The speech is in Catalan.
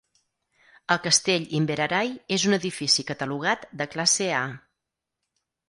El Castell Inveraray és un edifici catalogat de classe A.